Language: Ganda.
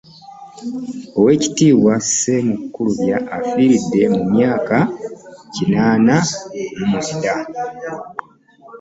Oweekitiibwa Ssemu Kkulubya afiiridde ku myaka kinaana mu mwenda